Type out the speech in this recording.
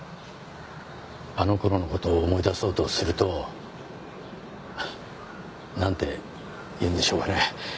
あの頃の事を思い出そうとするとなんていうんでしょうかね？